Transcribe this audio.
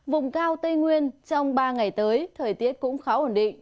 vùng cao tây nguyên trong ba ngày tới thời tiết cũng khá ổn định